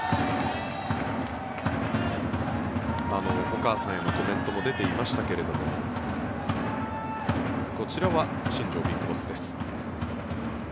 お母さんへのコメントも出ていましたけれどもこちらは新庄ＢＩＧＢＯＳＳです。